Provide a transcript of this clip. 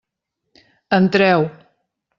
Entreu.